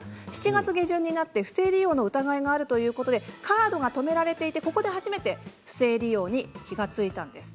７月下旬になって不正利用の疑いがあるということでカードが止められていてここで初めて不正利用に気が付いたんです。